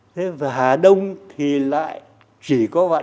và hà đông thì lại chỉ có vạn phúc hà đông